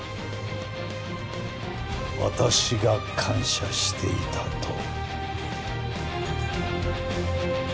私が感謝していたと。